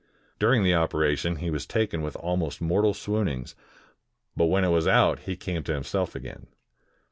During the operation, he was taken with almost mortal swoonings, but when it was out he came to him self again.